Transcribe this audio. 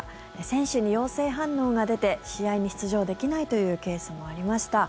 選手に陽性反応が出て試合に出場できないというケースもありました。